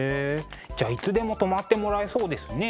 じゃいつでも泊まってもらえそうですね。